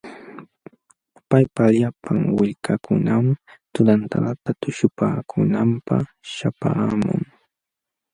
Paypa llapan willkankunam tunantadata tuśhupaakunanpaq śhapaamun.